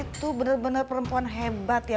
itu bener bener perempuan hebat ya